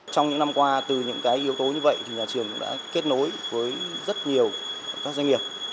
trong những năm qua từ những yếu tố như vậy thì nhà trường cũng đã kết nối với rất nhiều các doanh nghiệp